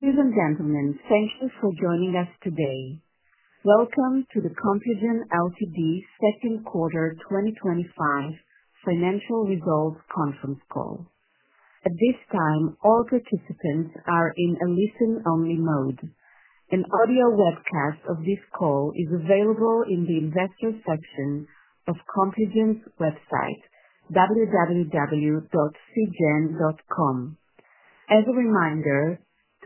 Ladies and gentlemen, thank you for joining us today. Welcome to the Compugen Ltd. Second Quarter 2025 Financial Results Conference Call. At this time, all participants are in a listen-only mode. An audio webcast of this call is available in the Investor Section of Compugen's website, www.cgen.com. As a reminder,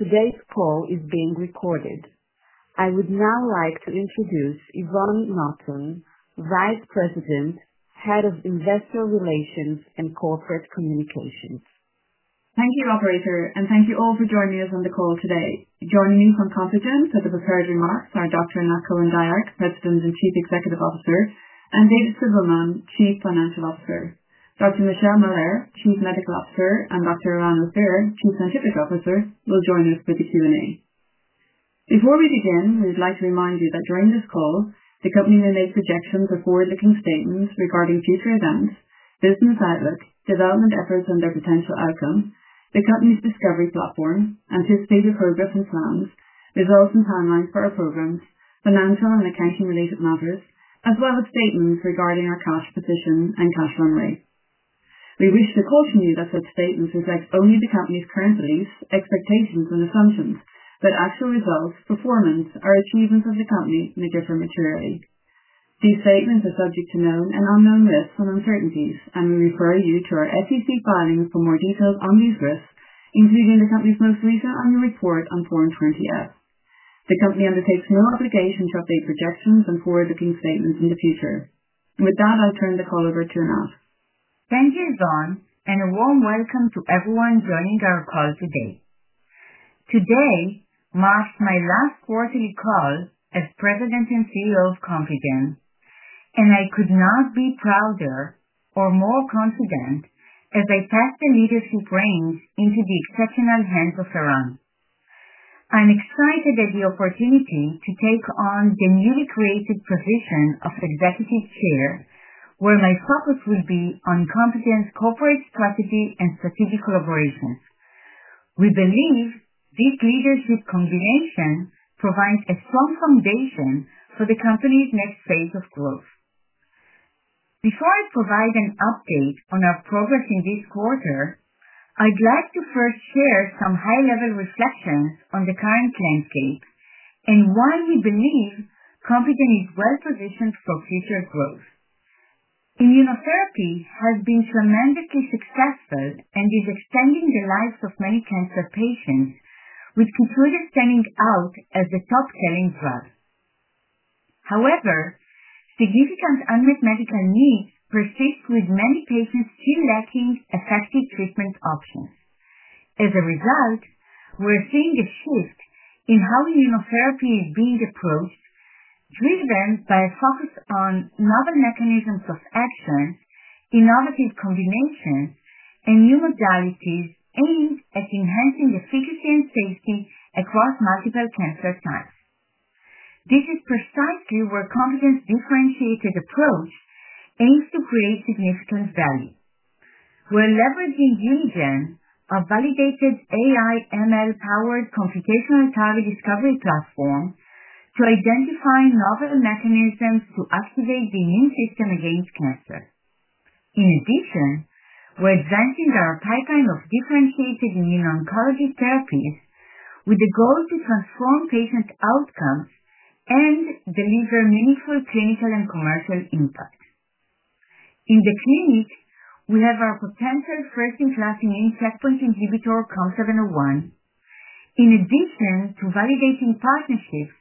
today's call is being recorded. I would now like to introduce Yvonne Naughton, Vice President, Head of Investor Relations and Corporate Communications. Thank you, operator, and thank you all for joining us on the call today. Joining us on Compugen for the prepared remarks are Dr. Anat Cohen-Dayag, President and Chief Executive Officer, and David Silberman, Chief Financial Officer. Dr. Michelle Mahler, Chief Analytical Officer, and Dr. Eran Ophir, Chief Scientific Officer, will join us for the Q&A. Before we begin, we would like to remind you that during this call, the company will make projections of forward-looking statements regarding future events, business outlook, development efforts and their potential outcome, the company's discovery platform, anticipated progress and plans, results and timelines for our programs, financial and accounting-related matters, as well as statements regarding our past petition and past summary. We wish to caution you that such statements reflect only the company's current beliefs, expectations, and assumptions, but actual results, performance, or achievements of the company may differ materially. These statements are subject to known and unknown risks and uncertainties, and we refer you to our SEC filings for more details on these risks, including the company's most recent annual report on 20-F. The company undertakes no obligation to update projections and forward-looking statements in the future. With that, I'll turn the call over to Anat. Thank you, Yvonne, and a warm welcome to everyone joining our call today. Today marks my last quarterly call as President and CEO of Compugen, and I could not be prouder or more confident as I pass the leadership reins into the exceptional hands of Eran. I'm excited at the opportunity to take on the newly created position of Executive Chair, where my focus will be on Compugen's corporate strategy and strategic collaboration. We believe this leadership combination provides a strong foundation for the company's next phase of growth. Before I provide an update on our progress in this quarter, I'd like to first share some high-level reflections on the current landscape and why we believe Compugen is well-positioned for future growth. Immunotherapy has been tremendously successful and is extending the lives of many cancer patients, with Keytruda standing out as the top-selling drug. However, significant unmet medical needs persist, with many patients still lacking effective treatment options. As a result, we're seeing a shift in how immunotherapy is being approached, driven by a focus on novel mechanisms of action, innovative combinations, and new modalities aimed at enhancing the efficacy and safety across multiple cancer types. This is precisely where Compugen's differentiated approach aims to create significant value. We're leveraging Unigen, a validated AI/ML-powered computational target discovery platform, to identify novel mechanisms to activate the immune system against cancer. In addition, we're advancing our pipeline of differentiated immuno-oncology therapies, with the goal to transform patient outcomes and deliver meaningful clinical and commercial impact. In the clinic, we have our potential first-in-class immune checkpoint inhibitor, COM701, in addition to validating partnerships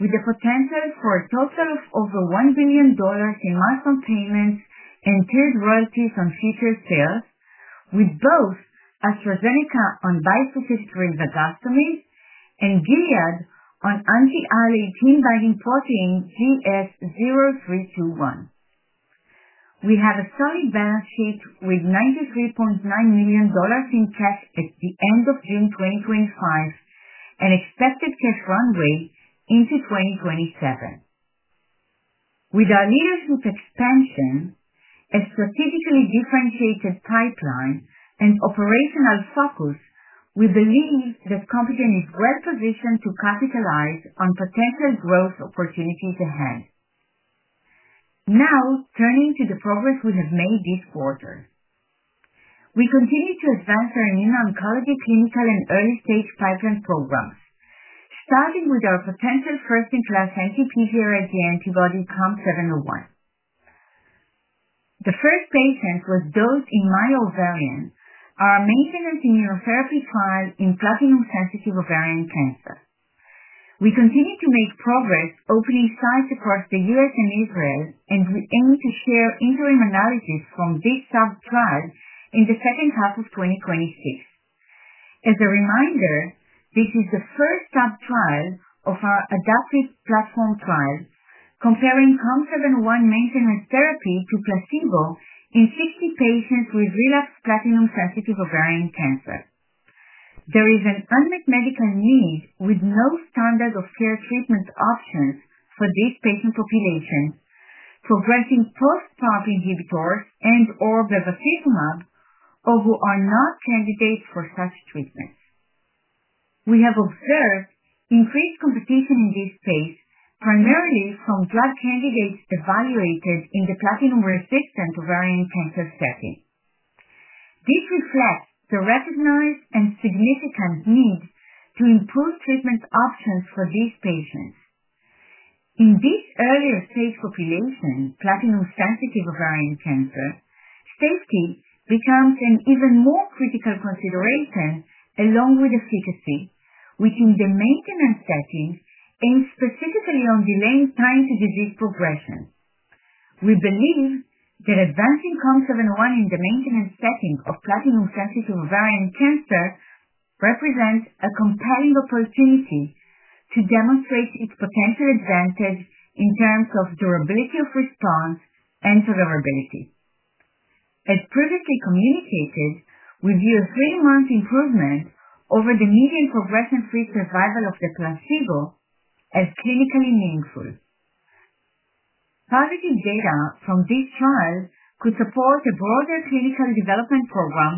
with a potential for a total of over $1 billion in milestone payments and tiered royalties on future sales, with both AstraZeneca on rilvegostomig and Gilead on anti-IL-18 binding protein GS-0321. We have a solid balance sheet with $93.9 million in cash at the end of June 2025 and expected cash runway into 2027. With our leadership expansion, a strategically differentiated pipeline, and operational focus, we believe that Compugen is well-positioned to capitalize on potential growth opportunities ahead. Now, turning to the progress we have made this quarter, we continue to advance our immuno-oncology clinical and early-stage pipeline programs, starting with our potential first-in-class anti-PVRIG antibody COM701. The first patient was dosed in our ovarian, our maintenance immunotherapy trial in platinum-sensitive ovarian cancer. We continue to make progress, opening sites across the U.S., and Israel, and we aim to share interim analysis from this sub-trial in the second half of 2026. As a reminder, this is the first sub-trial of our adaptive platform trial, comparing COM701 maintenance therapy to placebo in 60 patients with relapsed platinum-sensitive ovarian cancer. There is an unmet medical need with no standard of care treatment options for this patient population, progressing post PARP inhibitors and/or bevacizumab, or who are not candidates for such treatments. We have observed increased competition in this space, primarily from drug candidates evaluated in the platinum-resistant ovarian cancer setting. This reflects the recognized and significant need to improve treatment options for these patients. In this earlier stage population, platinum-sensitive ovarian cancer, safety becomes an even more critical consideration along with efficacy, which in the maintenance setting aims specifically on delaying time to disease progression. We believe that advancing COM701 in the maintenance setting of platinum-sensitive ovarian cancer represents a compelling opportunity to demonstrate its potential advantage in terms of durability of response and tolerability. As previously communicated, we view a three-month improvement over the median progression-free survival of the placebo as clinically meaningful. Positive data from this trial could support a broader clinical development program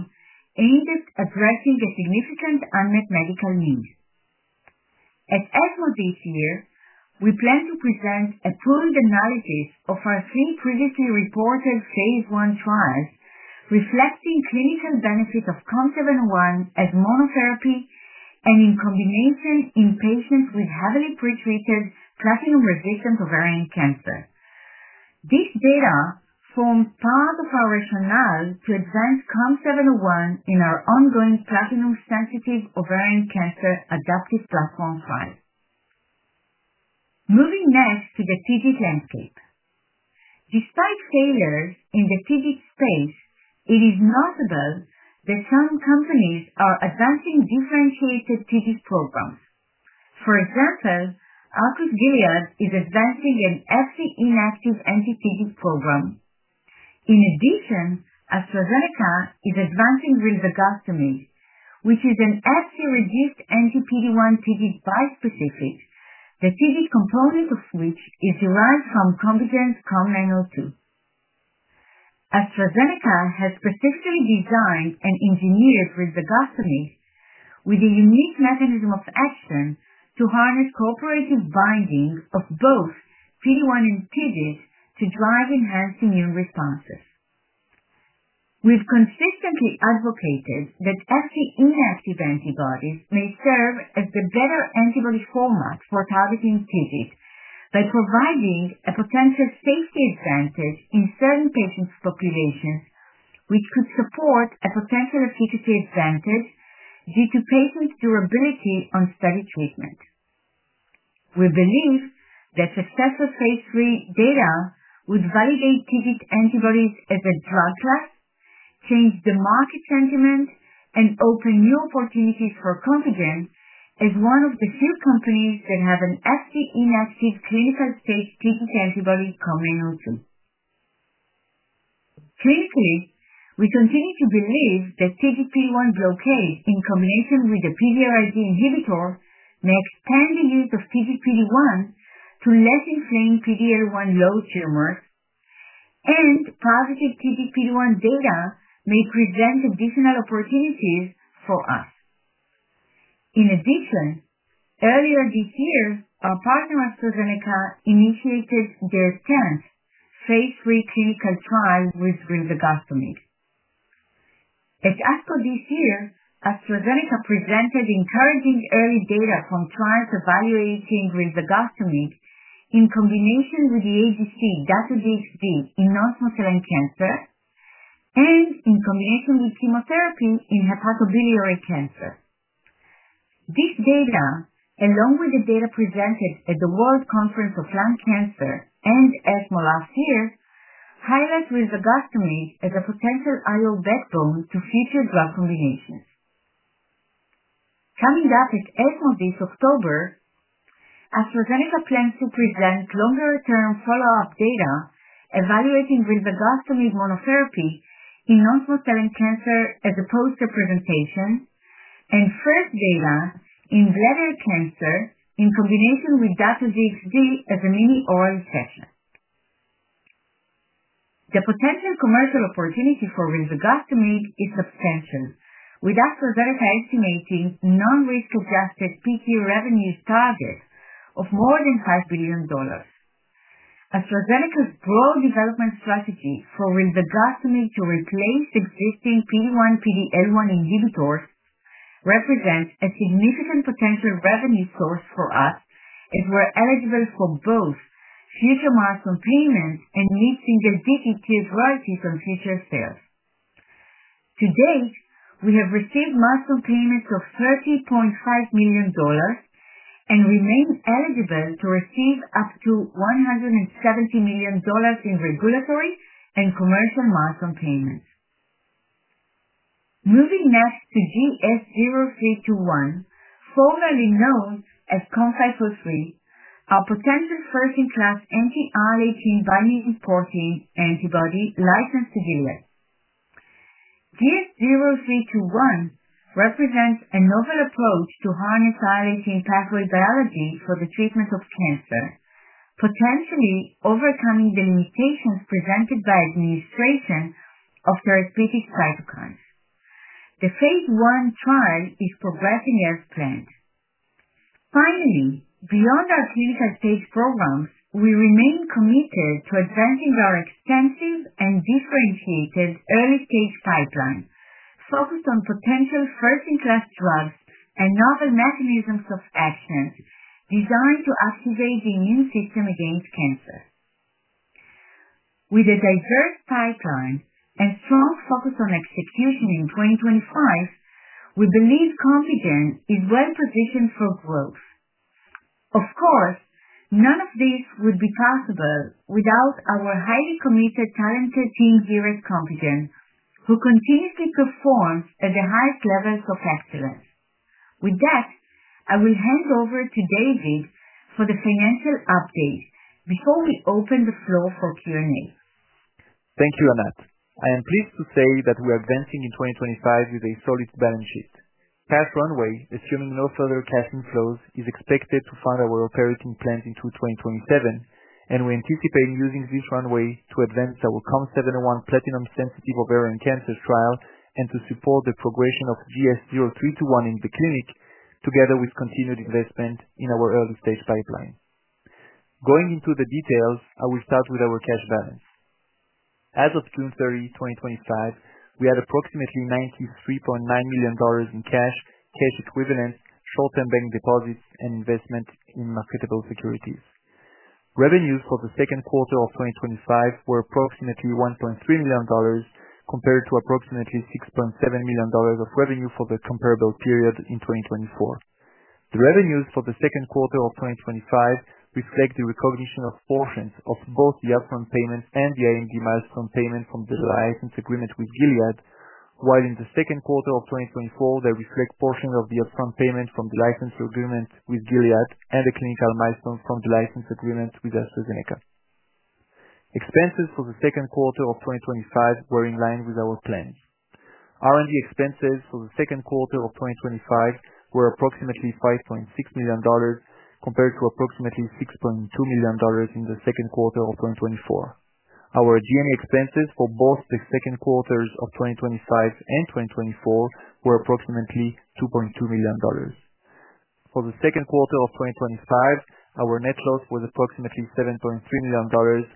aimed at addressing the significant unmet medical needs. At ESMO this year, we plan to present a preliminary analysis of our three previously reported phase I trials, reflecting clinical benefits of COM701 as monotherapy and in combination in patients with heavily pretreated platinum-resistant ovarian cancer. This data forms part of our rationale to advance COM701 in our ongoing platinum-sensitive ovarian cancer adaptive platform trial. Moving next to the TIGIT landscape. Despite failures in the TIGIT space, it is noted that some companies are advancing differentiated TIGIT programs. For example, Gilead is advancing an FC-inactive anti-TIGIT program. In addition, AstraZeneca is advancing rilvegostomig, which is an Fc-reduced anti-PD-1 TIGIT bispecific, the TIGIT component of which is derived from Compugen's COM902. AstraZeneca has specifically designed and engineered rilvegostomig with a unique mechanism of action to harness cooperative binding of both PD-1 and TIGIT to drive enhanced immune responses. We've consistently advocated that Fc inactive antibodies may serve as the better antibody format for targeting TIGIT by providing a potential safety advantage in certain patient populations, which could support a potential efficacy advantage due to patient durability on study treatment. We believe that successful phase III data would validate TIGIT antibodies as a drug class, change the market sentiment, and open new opportunities for Compugen as one of the few companies that have an Fc inactive clinical-stage TIGIT antibody, COM902. Three, we continue to believe that TIGIT-PD-1 blockade in combination with the PVRIG inhibitor may expand the use of TIGIT-PD-1 to less inflamed PD-L1 low tumors, and positive TIGIT-PD-1 data may present additional opportunities for us. In addition, earlier this year, our partner AstraZeneca initiated their 10th phase III clinical trial with rilvegostomig. At ESCO this year, AstraZeneca presented encouraging early data from trials evaluating rilvegostomig in combination with the ADC, Dato-DXd in non-small cell lung cancer and in combination with chemotherapy in hepatobiliary cancer. This data, along with the data presented at the World Conference on Lung Cancer and ESMO last year, highlights rilvegostomig as a potential IO backbone to future drug combinations. Coming up at ESMO this October, AstraZeneca plans to present longer-term follow-up data evaluating rilvegostomig monotherapy in non-small cell lung cancer as a poster presentation and first data in bladder cancer in combination with Dato-DXd as a mini oral session. The potential commercial opportunity for rilvegostomig is substantial, with AstraZeneca estimating non-risk-adjusted peak revenues target of more than $5 billion. AstraZeneca's broad development strategy for rilvegostomig to replace the existing PD-1, PD-L1 inhibitors represents a significant potential revenue source for us as we're eligible for both future milestone payments and mid single-digit tiered royalties on future sales. To date, we have received milestone payments of $30.5 million and remain eligible to receive up to $170 million in regulatory and commercial milestone payments. Moving next to GS-0321, formerly known as COM503, our potential first-in-class anti-IL-18 binding protein antibody licensed to Gilead. GS-0321 represents a novel approach to harness IL-18 pathway biology for the treatment of cancer, potentially overcoming the mutations presented by administration of therapeutic cytokines. The phase I trial is progressing as planned. Finally, beyond our clinical stage program, we remain committed to advancing our extensive and differentiated early-stage pipeline, focused on potential first-in-class drugs and novel mechanisms of action designed to activate the immune system against cancer. With a diverse pipeline and strong focus on execution in 2025, we believe Compugen is well-positioned for growth. Of course, none of this would be possible without our highly committed, talented team here at Compugen, who continuously performs at the highest levels of excellence. With that, I will hand over to David for the financial update before we open the floor for Q&A. Thank you, Anat. I am pleased to say that we are advancing in 2025 with a solid balance sheet. Path runway, assuming no further cash inflows, is expected to fund our operating plan into 2027, and we're anticipating using this runway to advance our COM701 platinum-sensitive ovarian cancer trial and to support the progression of GS-0321 in the clinic, together with continued investment in our early-stage pipeline. Going into the details, I will start with our cash balance. As of June 30, 2025, we had approximately $93.9 million in cash, cash equivalents, short-term bank deposits, and investment in marketable securities. Revenues for the second quarter of 2025 were approximately $1.3 million, compared to approximately $6.7 million of revenue for the comparable period in 2024. The revenues for the second quarter of 2025 reflect the recognition of portions of both the upfront payments and the IND milestone payment from the license agreement with Gilead, while in the second quarter of 2024, they reflect portions of the upfront payment from the license agreement with Gilead and the clinical milestone from the license agreement with AstraZeneca. Expenses for the second quarter of 2025 were in line with our plans. R&D expenses for the second quarter of 2025 were approximately $5.6 million, compared to approximately $6.2 million in the second quarter of 2024. Our G&A expenses for both the second quarters of 2025 and 2024 were approximately $2.2 million. For the second quarter of 2025, our net loss was approximately $7.3 million or $0.08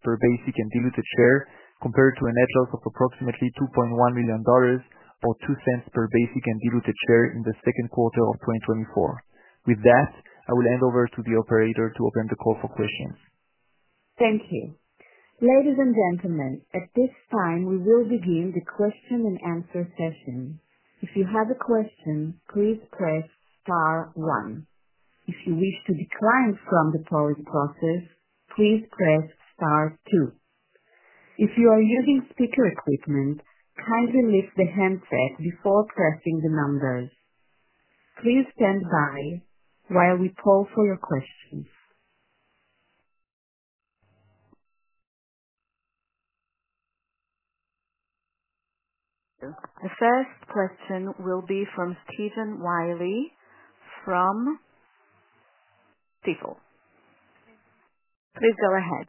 per basic and diluted share, compared to a net loss of approximately $2.1 million or $0.02 per basic and diluted share in the second quarter of 2024. With that, I will hand over to the operator to open the call for questions. Thank you. Ladies and gentlemen, at this time, we will begin the question and answer session. If you have a question, please press Star, one. If you wish to decline from the polling process, please press Star, two. If you are using speaker equipment, kindly lift the handset before pressing the numbers. Please stand by while we poll for your questions. The first question will be from Steven Wiley from Stifel. Please go ahead.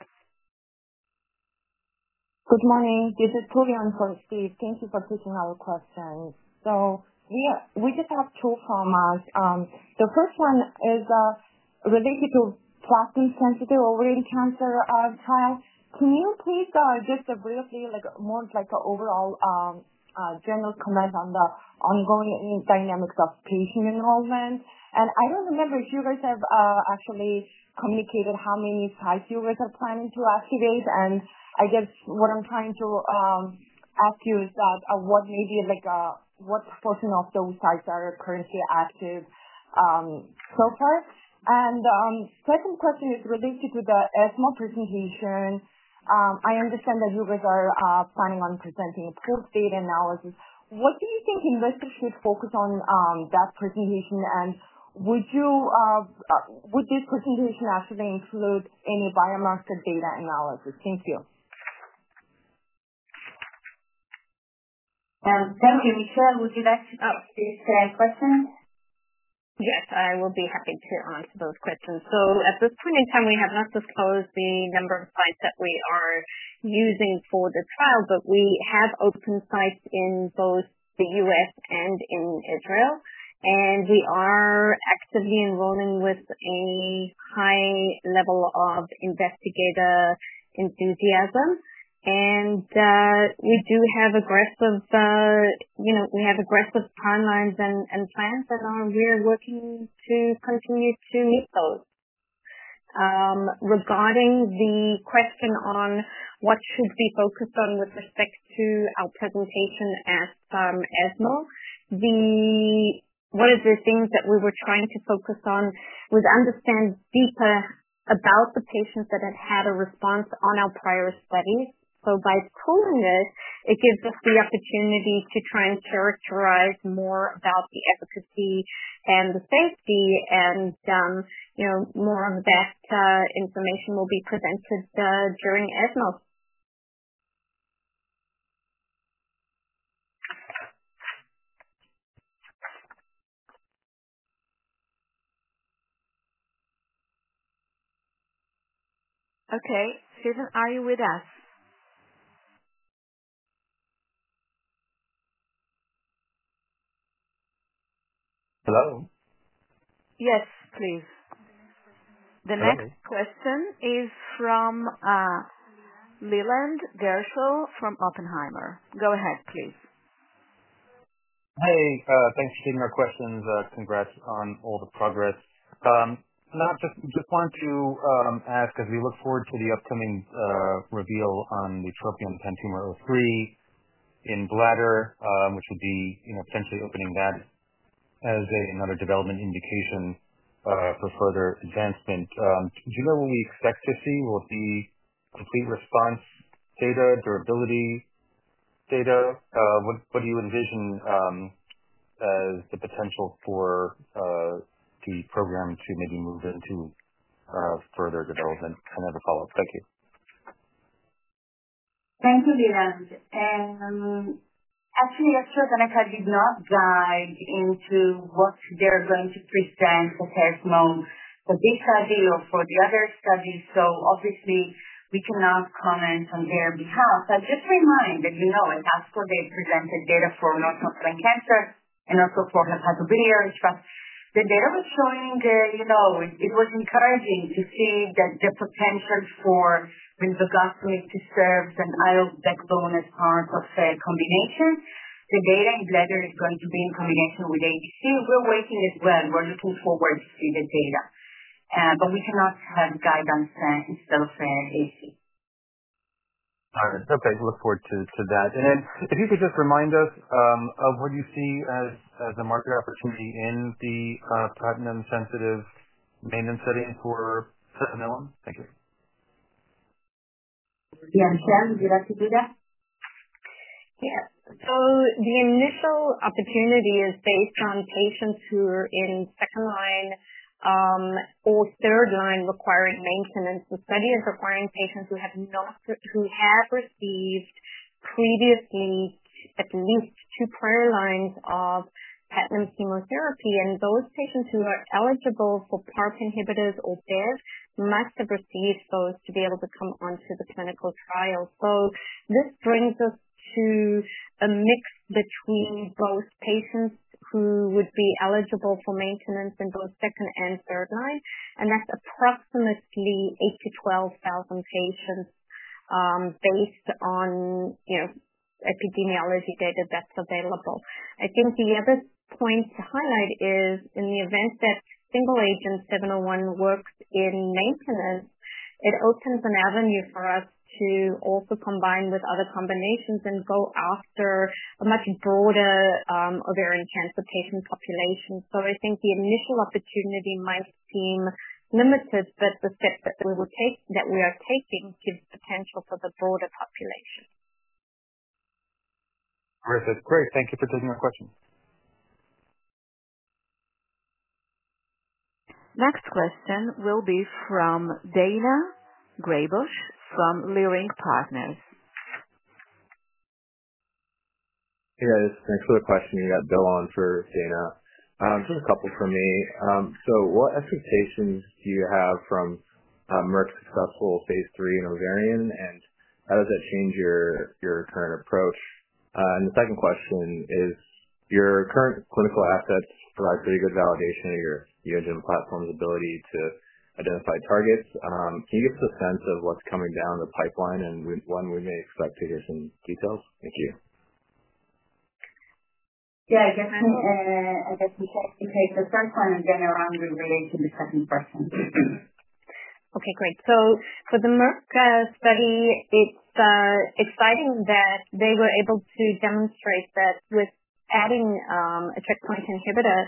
Good morning. This is Julian from Stifel. Thank you for taking our question. We just have two formats. The first one is related to the platinum-sensitive ovarian cancer trial. Can you please just briefly, like more of an overall, general comment on the ongoing dynamics of patient involvement? I don't remember if you guys have actually communicated how many sites you guys are planning to activate. I guess what I'm trying to ask you is, what maybe like a what portion of those sites are currently active so far? The second question is related to the ESMO presentation. I understand that you guys are planning on presenting a full data analysis. What do you think investors should focus on at that presentation? Would this presentation actually include any biomarker data analysis? Thank you. Thank you. Michelle, would you like to ask these questions? Yes, I will be happy to answer those questions. At this point in time, we have not disclosed the number of sites that we are using for the trial, but we have open sites in both the U.S., and in Israel. We are actively enrolling with a high level of investigator enthusiasm. We do have aggressive timelines and plans that we are working to continue to meet. Regarding the question on what should we focus on with respect to our presentation at ESMO, one of the things that we were trying to focus on was understanding deeper about the patients that had had a response on our prior studies. By polling this, it gives us the opportunity to try and characterize more about the efficacy and the safety, and more on that information will be presented during ESMO. Okay. Steve, are you with us? Hello? Yes, please. The next question is from Leland Gershell from Oppenheimer. Go ahead, please. Hey, thanks for taking our questions. Congrats on all the progress. Anat, I just want to ask, as we look forward to the upcoming reveal on the TROPION-PanTumor03 in bladder, which will be potentially opening that as another development indication for further advancement, do you know when we expect to see what the complete response data, durability data? What do you envision as the potential for the program to maybe move into further development? I'll have a follow-up. Thank you. Thank you, Leland. Actually, AstraZeneca did not dive into what they're going to present at ESMO for this study or for the other studies. Obviously, we cannot comment on their behalf. Just to remind that, you know, at ESMO, they presented data for non-small cell lung cancer and also for hepatobiliary stuff. The data was showing there, you know, it was encouraging to see that the potential for rilvegostomig to serve some IO backbone as part of the combination. The data in bladder is going to be in combination with ADC. We're waiting as well. We're looking forward to see the data. We cannot have guidance instead of AC. All right. Okay. We look forward to that. If you could just remind us of what you see as a market opportunity in the platinum-sensitive maintenance setting for second line. Thank you. Yeah, Michelle, would you like to take that? The initial opportunity is based on patients who are in second line or third line requiring maintenance. The study is requiring patients who have received previously at least two prior lines of platinum chemotherapy. Those patients who are eligible for PARP inhibitors or both must have received those to be able to come onto this medical trial. This brings us to a mix between both patients who would be eligible for maintenance in both second and third line. That's approximately 8,000-12,000 patients, based on epidemiology data that's available. I think the other point to highlight is in the event that single agent COM701 works in maintenance, it opens an avenue for us to also combine with other combinations and go after a much broader ovarian cancer patient population. I think the initial opportunity might seem limited, but the steps that we would take that we are taking gives potential for the broader population. Perfect. Great. Thank you for taking our questions. Next question will be from Daina Graybosch from Leerink Partners. Hey, guys. Thanks for the question. You got Bill on for DaIna. Just a couple from me. What expectations do you have from Merck's successful phase III in ovarian, and how does that change your current approach? The second question is, your current clinical assets provide pretty good validation of Unigen's platform's ability to identify targets. Can you give us a sense of what's coming down the pipeline and when we may expect to hear some details? Thank you. Yeah, I guess I'm going to take the first one and then Eran will relate to the second question. Okay. Great. For the Merck study, it's exciting that they were able to demonstrate that with adding a checkpoint inhibitor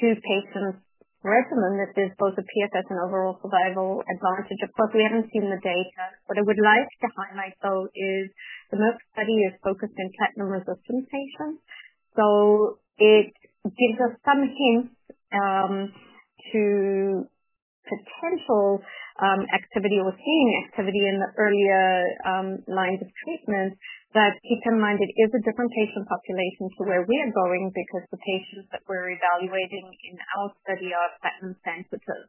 to patients' regimen, there's both a PFS and overall survival advantage appropriate and seen in the data. What I would like to highlight, though, is the Merck study is focused in platinum-resistant patients. It gives us some hints to potential activity or seeing activity in the earlier lines of treatment. Keep in mind, it is a different patient population to where we are going because the patients that we're evaluating in our study are platinum-sensitive.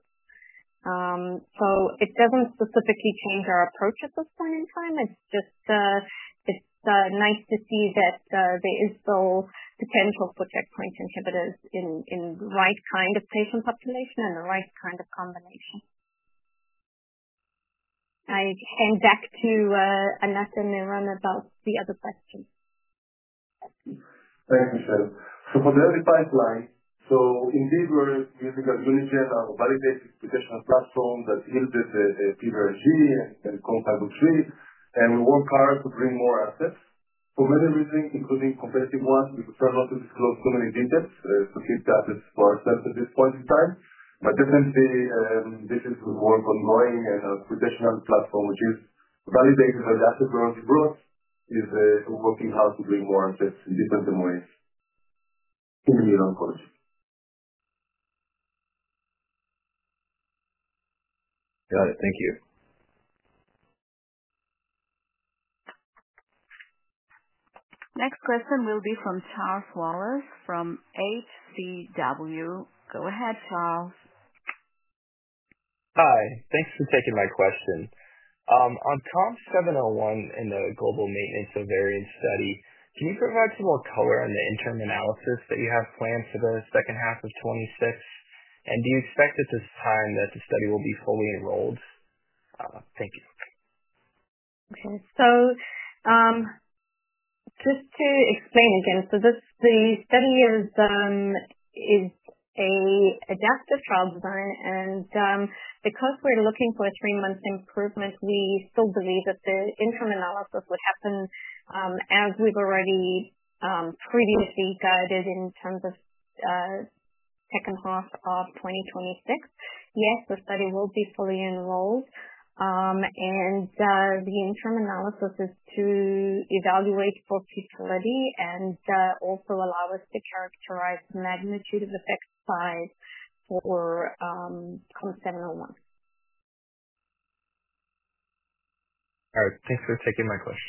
It doesn't specifically change our approach at this point in time. It's just nice to see that there is still potential for checkpoint inhibitors in the right kind of patient population and the right kind of combination. I hand back to Anat and Eran about the other questions. Thank you, Michelle. For the early pipeline, we're using a unit here that validates the traditional platform that deals with PVRIG and COM503, and we want to try to bring more assets for many reasons, including comparative one. We try not to disclose clinical gene texts to keep the assets to ourselves at this point in time. Given the issues we're going on knowing and a traditional platform, which is validated by the epidemiology board, we're working hard to bring more assets in different domains. Got it. Thank you. Next question will be from Charles Wallace from HCW. Go ahead, Charles. Hi. Thanks for taking my question. On COM701 in the global maintenance ovarian study, can you provide some more color on the interim analysis that you have planned for the second half of 2026? Do you expect at this time that the study will be fully enrolled? Thank you. Okay. Just to explain again, this study is an adaptive trial design. Because we're looking for a three-month improvement, we still believe that the interim analysis would happen as we've already previously guided in terms of the second half of 2026. The study will be fully enrolled, and the interim analysis is to evaluate for feasibility and also allow us to characterize the magnitude of the effect size for COM701. All right. Thanks for taking my question.